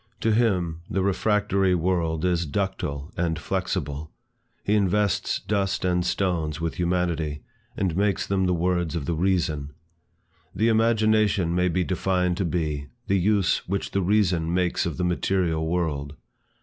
To him, the refractory world is ductile and flexible; he invests dust and stones with humanity, and makes them the words of the Reason. The Imagination may be defined to be, the use which the Reason makes of the material world.